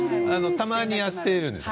たまにやってるんですよ